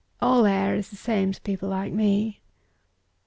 All air is the same to people like me."